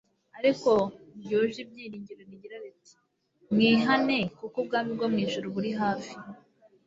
ariko ryuje ibyiringiro rigira riti : "Mwihane kuko ubwami bwo mu ijuru buri hafi."